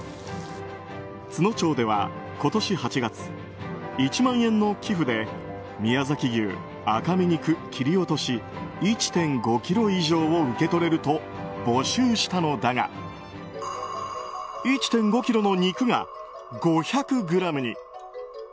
都農町では今年８月１万円の寄付で宮崎牛赤身肉切り落とし１．５ｋｇ以上を受け取れると募集したのだが１．５ｋｇの肉が５００ｇに。